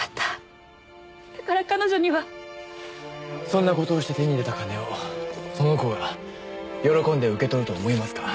そんな事をして手に入れた金をその子が喜んで受け取ると思いますか？